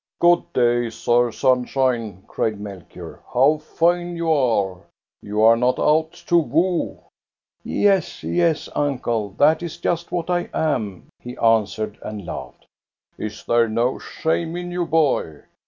Good day, Sir Sunshine !" cried Melchior. " How fine you are ! You are not out to woo ?" •*Yes, yes, uncle, that is just what I am," he answered, and laughed. Is there no shame in you, boy?